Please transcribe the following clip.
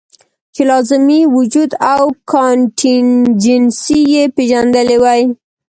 چې لازمي وجود او کانټينجنسي ئې پېژندلي وے -